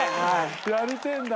やりてえんだ。